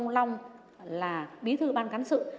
mà ông long là bí thư ban cán sự